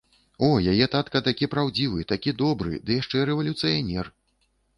О, яе татка такі праўдзівы, такі добры, ды яшчэ рэвалюцыянер!